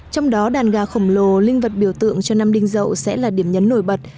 trong đó đàn gà khổng lồ linh vật biểu tượng cho năm đinh dậu sẽ là điểm nhấn nổi bật